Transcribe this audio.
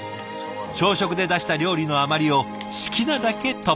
朝食で出した料理の余りを好きなだけトッピング。